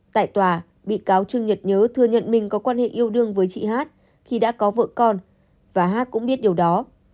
tại tòa bị cáo trương nhật nhớ thừa nhận mình có quan hệ yêu đương với chị hát khi đã có vợ con và hát cũng biết điều đó